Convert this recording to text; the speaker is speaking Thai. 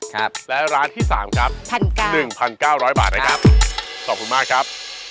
ครับแล้วร้านที่๓ครับ๑๙๐๐บาทนะครับขอบคุณมากครับ